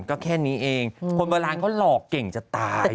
ก็แค่นี้เองคนโบราณเขาหลอกเก่งจะตาย